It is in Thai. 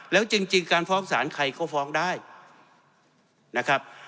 แล้วจริงการฟ้องศาลใครก็ฟ้องได้นะครับ